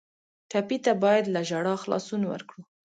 ټپي ته باید له ژړا خلاصون ورکړو.